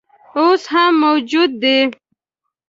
اوس هم موجود دی.